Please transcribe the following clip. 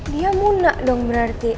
dia muna dong berarti